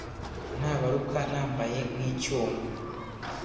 Ntabaruka nambaye nk icyuma